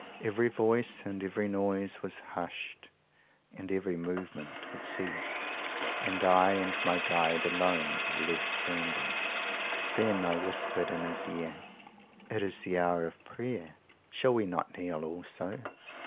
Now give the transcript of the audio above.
Every voice and every noise was hushed, every movement had ceased, and I and my guide alone were left standing. "'Then I whispered in his ear, It is the hour of prayer: shall we not kneel also?